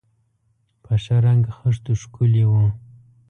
په ښه رنګ خښتو ښکلي و.